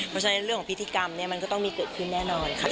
เพราะฉะนั้นเรื่องของพิธีกรรมเนี่ยมันก็ต้องมีเกิดขึ้นแน่นอนค่ะ